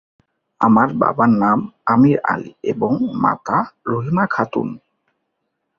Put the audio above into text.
তার বাবার নাম আমীর আলী এবং মাতা রহিমা খাতুন।